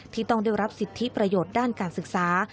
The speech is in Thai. ที่ต้องได้รับสิทธิประโยชน์ด้านการศึกษา